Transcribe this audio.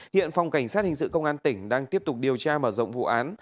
hiện phòng cảnh sát hình sự công an tỉnh đang tiếp tục điều tra mở rộng vụ án